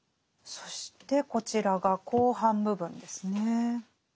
そしてこちらが後半部分ですね。